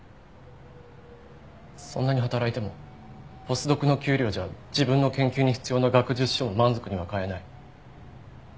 そんなに働いてもポスドクの給料じゃ自分の研究に必要な学術書も満足には買えない。